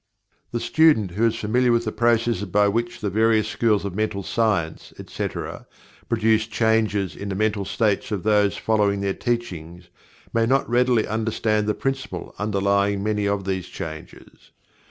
The student who is familiar with the processes by which the various schools of Mental Science, etc., produce changes in the mental states of those following their teachings, may not readily understand the principle underlying many of these changes.